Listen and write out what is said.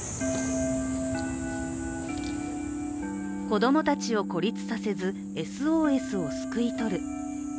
子供たちを孤立させずＳＯＳをすくい取る。